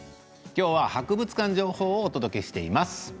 きょうは博物館情報をお届けしています。